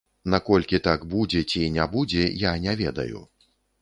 Наколькі так будзе ці не будзе, я не ведаю.